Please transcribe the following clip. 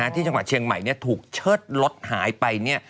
ที่จังหวัดเชียงใหม่ถูกเชิดรถหายไป